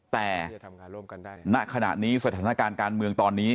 แต่ณขณะนี้สถานการณ์การเมืองตอนนี้